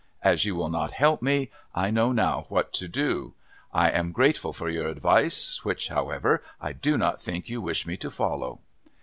As you will not help me, I know now what to do. I am grateful for your advice which, however, I do not think you wish me to follow."